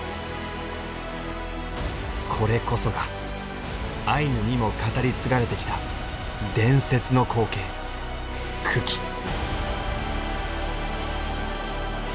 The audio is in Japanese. これこそがアイヌにも語り継がれてきた伝説の光景群来。